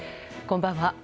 こんばんは。